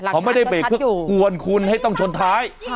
เขาไม่ได้เบรกเพื่อกวนคุณให้ต้องชนท้าย